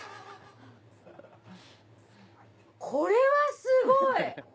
これはすごい！